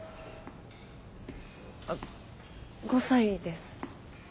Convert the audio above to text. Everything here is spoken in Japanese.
あっ５歳です。